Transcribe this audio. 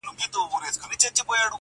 بس یوازي د یوه سړي خپلیږي-